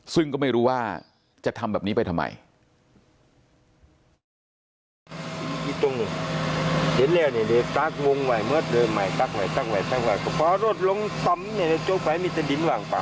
ซึ่งก็ไม่รู้ว่าจะทำแบบนี้ไปทำไม